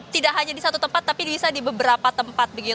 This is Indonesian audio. tidak hanya di satu tempat tapi bisa di beberapa tempat